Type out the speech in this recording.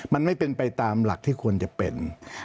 มันไม่เป็นไปตามหลักที่ควรจะเป็น